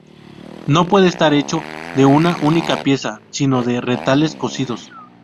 No puede estar hecho de una única pieza, sino de retales cosidos.